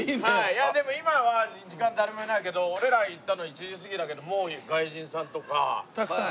いやでも今は時間誰もいないけど俺ら行ったの１時過ぎだけどもう外国人さんとかいっぱい。